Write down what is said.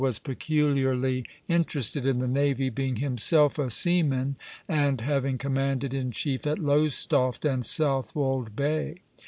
was peculiarly interested in the navy, being himself a seaman, and having commanded in chief at Lowestoft and Southwold Bay.